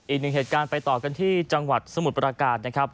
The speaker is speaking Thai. อีกหนึ่งเหตุการณ์ไปต่อกันที่จังหวัดสมุทรประกาศนะครับ